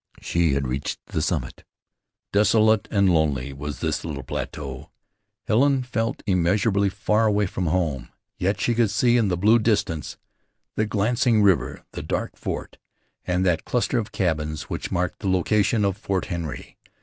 She had reached the summit. Desolate and lonely was this little plateau. Helen felt immeasurably far away from home. Yet she could see in the blue distance the glancing river, the dark fort, and that cluster of cabins which marked the location of Fort Henry.